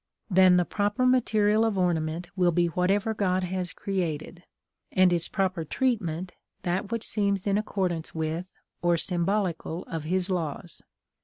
Then the proper material of ornament will be whatever God has created; and its proper treatment, that which seems in accordance with or symbolical of His laws.